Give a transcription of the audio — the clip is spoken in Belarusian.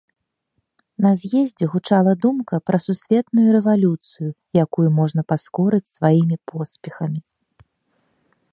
На з'ездзе гучала думка пра сусветную рэвалюцыю, якую можна паскорыць сваімі поспехамі.